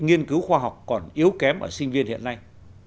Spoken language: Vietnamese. nghiên cứu khoa học còn yếu kém ở sinh viên hiện nay